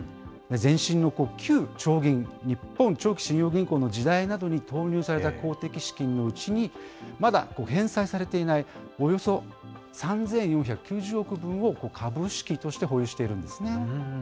前身の旧長銀・日本長期信用銀行の時代などに投入された公的資金のうちに、まだ返済されていない、およそ３４９０億分を株式として保有しているんですね。